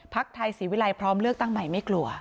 ไทยศรีวิรัยพร้อมเลือกตั้งใหม่ไม่กลัว